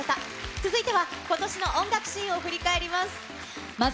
続いては、ことしの音楽シーンを振り返ります。